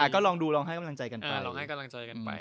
ก็ลองดูลองให้กำลังใจกันไป